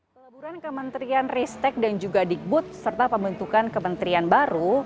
peleburan kementerian ristek dan juga digbud serta pembentukan kementerian baru